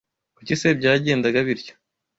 Kuki se byagendaga bityo?